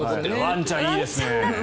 ワンちゃんいいですね